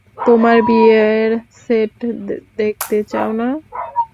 তোমার বিয়ের সেট দেখতে চাও না?